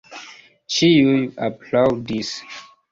Ĉiuj aplaŭdis.